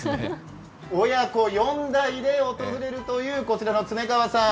親子４代で訪れるというこちらのつねかわさん。